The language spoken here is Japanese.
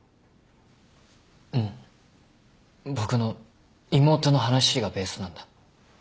うん僕の妹の話がベースなんだ。